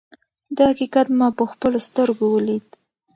دا حقیقت ما په خپلو سترګو ولید.